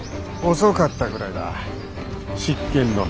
遅かったぐらいだ執権殿。